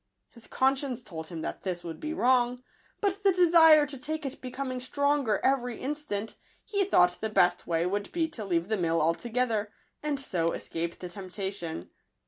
His conscience told him that this would be wrong; but the desire to take it becoming stronger every in stant, he thought the best way would be to leave the mill altogether, and so escape the temptation.